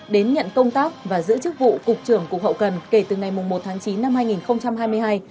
đến nhận công tác và giữ chức vụ cục trưởng cục hậu cần kể từ ngày một tháng chín năm hai nghìn hai mươi hai